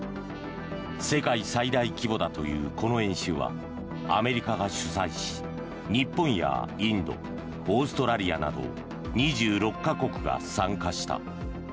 世界最大規模だというこの演習はアメリカが主催し日本やインドオーストラリアなど２６か国が参加した。